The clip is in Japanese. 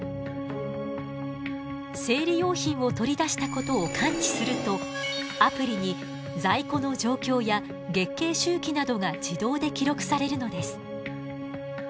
生理用品を取り出したことを感知するとアプリに在庫の状況や月経周期などが自動で記録されるのです。